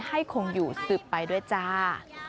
ให้คงอยู่สืบไปด้วยจ้า